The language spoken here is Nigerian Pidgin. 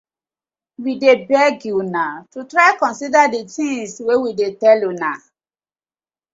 We dey beg una to try consider the tinz wey we dey tell una.